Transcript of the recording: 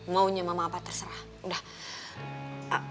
maunya mama apa terserah udah